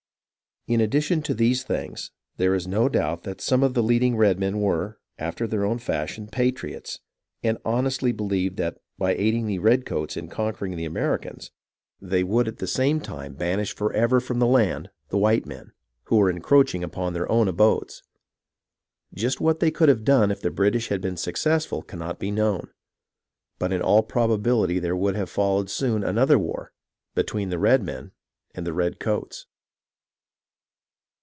In addition to these things, there is no doubt that some of the leading redmen were, after their own fashion, patriots, and honestly believed that by aiding the redcoats in conquering the Americans, they would at the same time 249 250 HISTORY OF THE AMERICAN REVOLUTION banish forever from the land the white men, who were en croaching upon their own abodes. Just what they could have done if the British had been successful cannot be known ; but in all probability there would have followed soon another war between the redmcn and the redcoats.